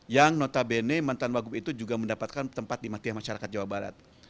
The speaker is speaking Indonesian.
yang notabene mantan wagub itu juga mendapatkan tempat di matiah masyarakat jawa barat